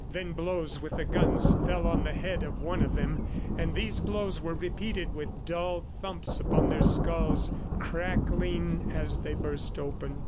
Then blows with the guns fell on the head of one of them ... and these blows were repeated with dull thumps upon their skulls, crackling as they burst open.